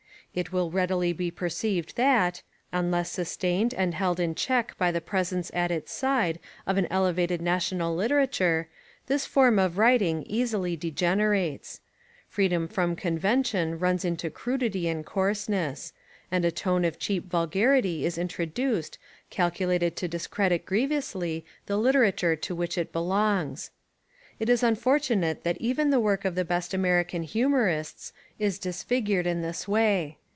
It will readily be perceived that, unless sus tained and held in check by the presence at its side of an elevated national literature, this form of writing easily degenerates. Freedom from 123 Essays and Literary Studies convention runs into crudity and coarseness; and a tone of cheap vulgarity is introduced cal culated to discredit grievously the literature to which it belongs. It is unfortunate that even the work of the best American humorists is dis figured in this way.